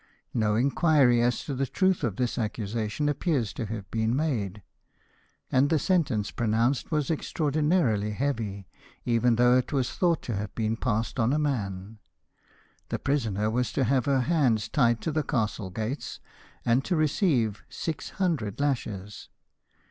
No inquiry as to the truth of this accusation appears to have been made, and the sentence pronounced was extraordinarily heavy, even though it was thought to have been passed on a man. The prisoner was to have her hands tied to the castle gates and to receive six hundred lashes.